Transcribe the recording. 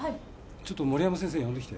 ちょっと森山先生呼んできて。